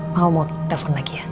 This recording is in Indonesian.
mau mau telepon lagi ya